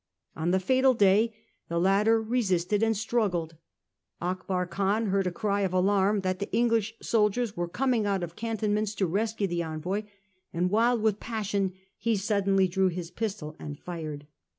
On the fatal day the latter resisted and struggled ; Akbar Khan heard a cry of alarm that the English soldiers were coming out of cantonments to rescue the envoy; and, wild with passion, he suddenly drew his pistol and fired.